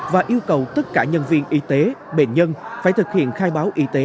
và yêu cầu tất cả nhân viên y tế bệnh nhân phải thực hiện khai báo y tế